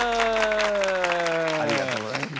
ありがとうございます。